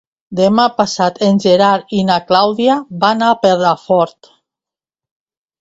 Demà passat en Gerard i na Clàudia van a Perafort.